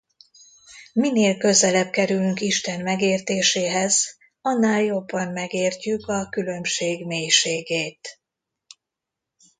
Minél közelebb kerülünk Isten megértéséhez annál jobban megértjük a különbség mélységét.